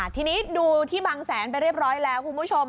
ทีนี้ดูที่บางแสนไปเรียบร้อยแล้วคุณผู้ชม